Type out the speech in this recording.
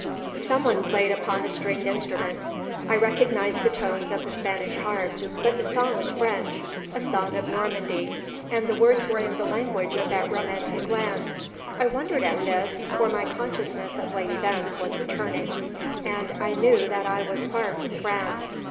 Someone played upon a stringed instrument. I recognised the tones of the Spanish harp, but the song was French, a song of Normandy; and the words were in the language of that romantic land. I wondered at this, for my consciousness of late events was returning; and I knew that I was far from France.